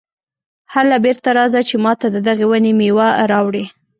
هله بېرته راځه چې ماته د دغې ونې مېوه راوړې.